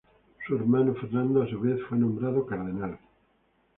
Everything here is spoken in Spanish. Su hermano Fernando a su vez fue nombrado cardenal.